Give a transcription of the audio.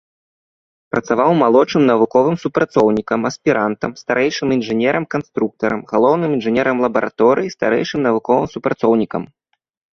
Працаваў малодшым навуковым супрацоўнікам, аспірантам, старэйшым інжынерам-канструктарам, галоўным інжынерам лабараторыі, старэйшым навуковым супрацоўнікам.